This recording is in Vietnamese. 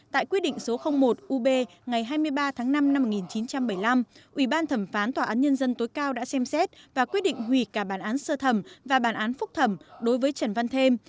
tại quyết định số một ub ngày hai mươi ba tháng năm năm một nghìn chín trăm bảy mươi năm ủy ban thẩm phán tòa án nhân dân tối cao đã xem xét và quyết định hủy cả bản án sơ thẩm và bản án phúc thẩm đối với trần văn thêm